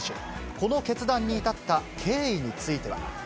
この決断に至った経緯については。